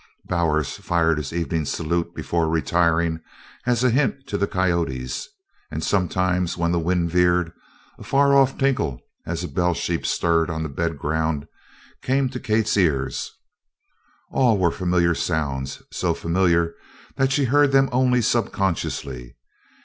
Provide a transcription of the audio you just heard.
Bowers fired his evening salute before retiring as a hint to the coyotes, and, sometimes, when the wind veered, a far off tinkle as a bell sheep stirred on the bed ground came to Kate's ears all were familiar sounds, so familiar that she heard them only subconsciously.